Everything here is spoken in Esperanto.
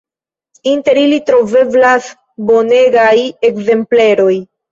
Inter ili troveblas bonegaj ekzempleroj.